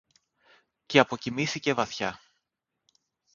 και αποκοιμήθηκε βαθιά